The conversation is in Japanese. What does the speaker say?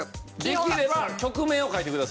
できれば曲名を書いてください。